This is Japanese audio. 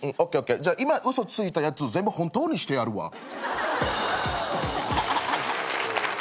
じゃ今嘘ついたやつ全部本当にしてやるわ。